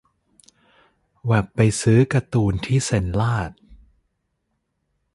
แว่บไปซื้อการ์ตูนที่เซ็นลาด